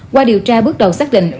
qua điều tra bước đầu xác định